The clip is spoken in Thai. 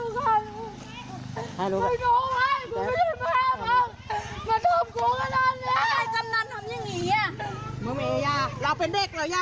กลับไปแล้วก็ได้